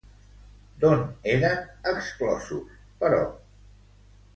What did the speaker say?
D'on eren exclosos, però?